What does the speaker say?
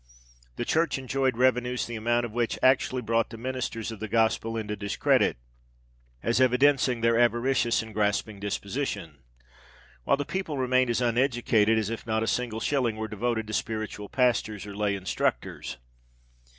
The Church enjoyed revenues the amount of which actually brought the ministers of the gospel into discredit, as evidencing their avaricious and grasping disposition;—while the people remained as uneducated as if not a single shilling were devoted to spiritual pastors or lay instructors.